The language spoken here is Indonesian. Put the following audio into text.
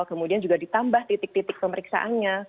kemudian juga ditambah titik titik pemeriksaannya